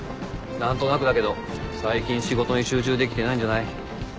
何となくだけど最近仕事に集中できてないんじゃない？